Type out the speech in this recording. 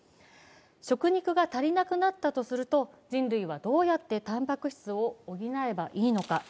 食肉が足りなくなったとすると人類はどうやってたんぱく質を補えばいいのか。